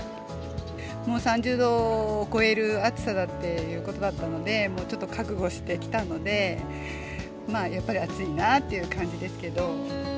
もう３０度を超える暑さだっていうことだったので、もうちょっと覚悟して来たので、やっぱり暑いなっていう感じですけど。